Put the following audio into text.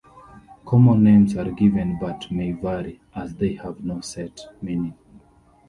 Common names are given but may vary, as they have no set meaning.